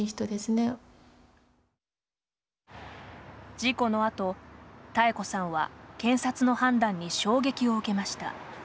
事故のあと多恵子さんは検察の判断に衝撃を受けました。